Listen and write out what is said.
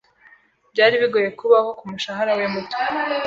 Byari bigoye kubaho ku mushahara we muto.